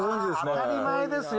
当たり前ですよ。